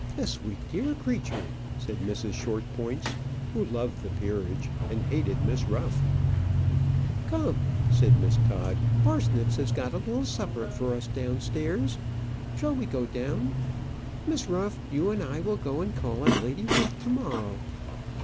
"A sweet dear creature," said Mrs. Shortpointz, who loved the peerage, and hated Miss Ruff. "Come," said Miss Todd, "Parsnip has got a little supper for us downstairs; shall we go down? Miss Ruff, you and I will go and call on Lady Ruth to morrow.